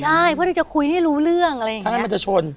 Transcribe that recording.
ใช่เพื่อที่จะคุยให้รู้เรื่องอะไรอย่างนี้ถ้างั้นมันจะชน